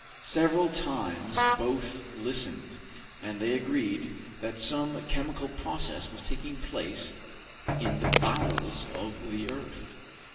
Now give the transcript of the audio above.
Several times both listened, and they agreed that some chemical process was taking place in the bowels of the earth.